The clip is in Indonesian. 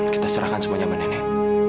kita serahkan semuanya sama nenek